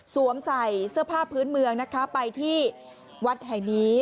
ใส่เสื้อผ้าพื้นเมืองนะคะไปที่วัดแห่งนี้